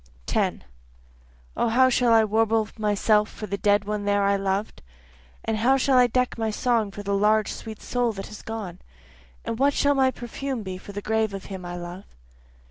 10 O how shall I warble myself for the dead one there I loved? And how shall I deck my song for the large sweet soul that has gone? And what shall my perfume be for the grave of him I love?